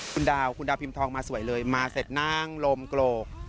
คุณดาวคุณดาวพิมพ์ทองมาสวยเลยมาเสร็จนั่งลมโกรก